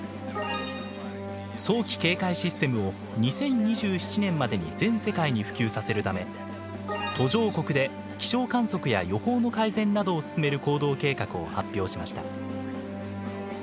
早期警戒システムを２０２７年までに全世界に普及させるため途上国で気象観測や予報の改善などを進める行動計画を発表しました。